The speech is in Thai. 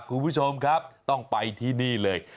คุณผู้ชมครับต้องไปที่นี่เลย